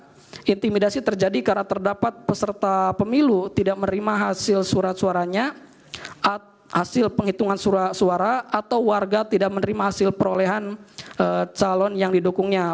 karena intimidasi terjadi karena terdapat peserta pemilu tidak menerima hasil surat suaranya hasil penghitungan suara atau warga tidak menerima hasil perolehan calon yang didukungnya